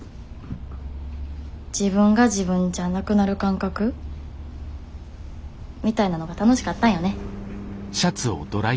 自分が自分じゃなくなる感覚？みたいなのが楽しかったんよね。